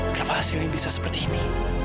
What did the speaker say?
kenapa hasilnya bisa seperti ini